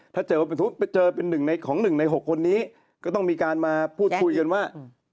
ถ้าเจอเป็นหนึ่งในของ๑ใน๖คนนี้ก็ต้องมีการมาพูดคุยกันว่า